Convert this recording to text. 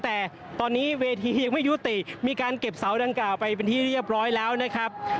แต่ตอนนี้เวทียังไม่ยุติมีการเก็บเสาดังกล่าวไปเป็นที่เรียบร้อยแล้วนะครับ